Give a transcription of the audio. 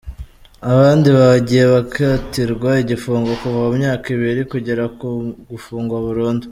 Abandi bagiye bakatirwa igufungo kuva ku myaka ibiri kugera ku gufungwa burundu.